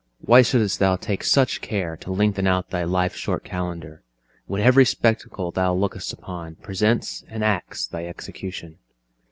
why should'st thou take such care To lengthen out thy life's short calendar? When ev'ry spectacle thou lookst upon Presents and acts thy execution.